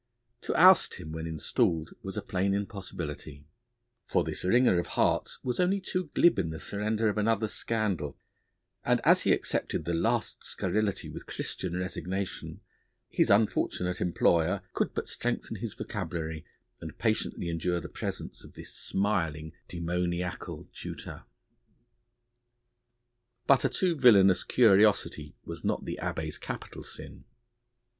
To oust him, when installed, was a plain impossibility, for this wringer of hearts was only too glib in the surrender of another's scandal; and as he accepted the last scurrility with Christian resignation, his unfortunate employer could but strengthen his vocabulary and patiently endure the presence of this smiling, demoniacal tutor. But a too villainous curiosity was not the Abbé's capital sin.